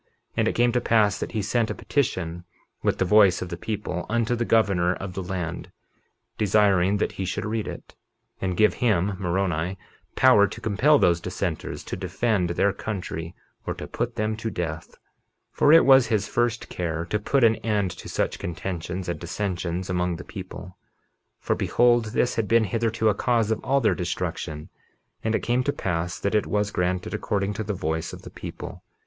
51:15 And it came to pass that he sent a petition, with the voice of the people, unto the governor of the land, desiring that he should read it, and give him (Moroni) power to compel those dissenters to defend their country or to put them to death. 51:16 For it was his first care to put an end to such contentions and dissensions among the people; for behold, this had been hitherto a cause of all their destruction. And it came to pass that it was granted according to the voice of the people.